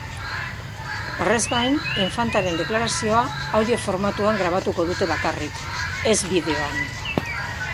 Horrez gain, infantaren deklarazioa audio formatuan grabatuko dute bakarrik, ez bideoan.